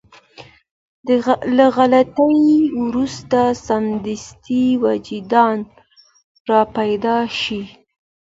له غلطي وروسته سمدستي وجدان رابيدار شي.